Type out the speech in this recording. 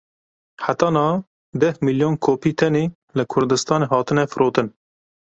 Heta niha deh milyon kopî tenê li Kurdistanê hatine firotin.